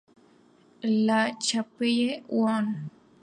La Chapelle-Huon